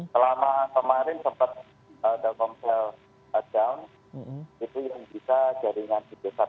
selama kemarin sempat telkomsel down itu yang bisa jaringan di jualan